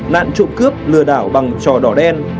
nạn trộm cướp lừa đảo bằng trò đỏ đen